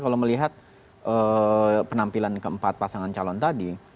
kalau melihat penampilan keempat pasangan calon tadi